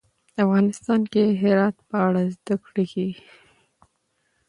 افغانستان کې د هرات په اړه زده کړه کېږي.